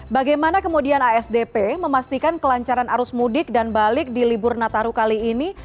bagaimana kemudian asdp memastikan kelancaran arus mudik dan balik di libur nataru kali ini